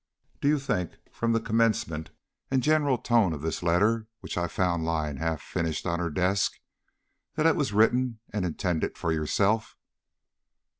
"Do you think, from the commencement and general tone of this letter, which I found lying half finished on her desk, that it was written and intended for yourself?"